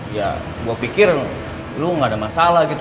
ya gue pikir lu gak ada masalah gitu